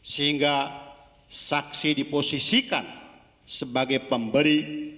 sehingga saksi diposisikan sebagai pemberi